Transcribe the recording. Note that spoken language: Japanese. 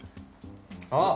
あっ！